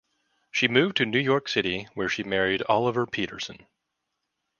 She moved to New York City where she married Oliver Peterson.